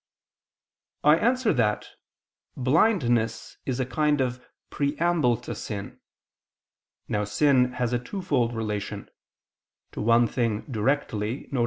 I answer that, Blindness is a kind of preamble to sin. Now sin has a twofold relation to one thing directly, viz.